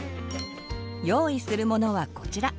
用意する物はこちら。